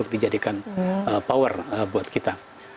dijadikan power buat kita